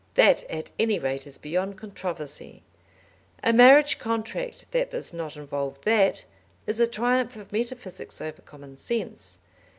That, at any rate, is beyond controversy; a marriage contract that does not involve that, is a triumph of metaphysics over common sense.